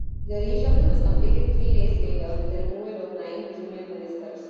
The reshuffle was completed three days later with the removal of nine junior ministers.